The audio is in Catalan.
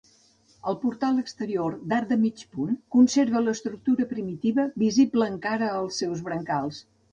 El portal exterior d'arc de mig punt, conserva l'estructura primitiva visible encara als seus brancals.